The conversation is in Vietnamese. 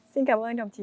xin cảm ơn đồng chí